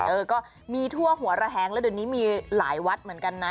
เออก็มีทั่วหัวระแหงแล้วเดี๋ยวนี้มีหลายวัดเหมือนกันนะ